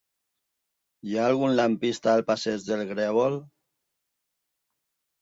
Hi ha algun lampista al passeig del Grèvol?